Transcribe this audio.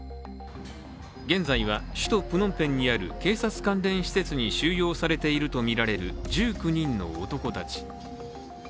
現在は首都プノンペンにある警察関連施設に収容されているとみられる１９人の男たち。